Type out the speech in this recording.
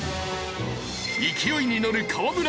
勢いにのる河村。